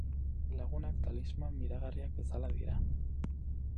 Lagunak talisman miragarriak bezala dira.